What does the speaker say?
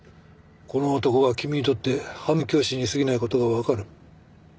この男が君にとって反面教師に過ぎない事がわかる。